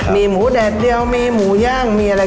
มีหมูแดดเดียวมีหมูย่างมีอะไร